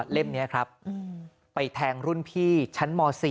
เล่มนี้ครับไปแทงรุ่นพี่ชั้นม๔